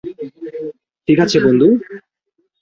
ঠিক আছে, বন্ধু।